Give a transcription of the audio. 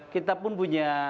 kita pun punya